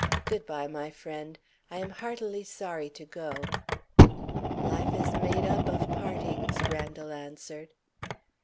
Good by, my friend. I am heartily sorry to go!" "Life is made up of partings," Randal answered.